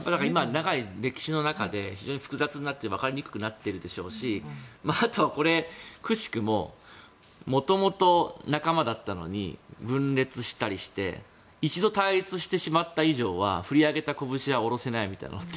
長い歴史の中で非常に複雑になってわかりにくくなっているでしょうしあと、くしくも元々仲間だったのに分裂したりして一度対立してしまった以上は振り上げたこぶしは下ろせないみたいなのって